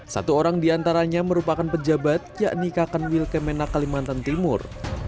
satu orang diantaranya merupakan pejabat yakni kakan wilkemena kalimantan timur